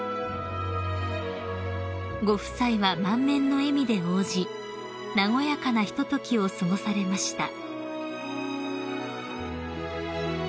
［ご夫妻は満面の笑みで応じ和やかなひとときを過ごされました］